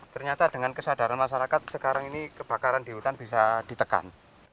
ternyata dengan kesadaran masyarakat sekarang ini kebakaran di hutan bisa ditekan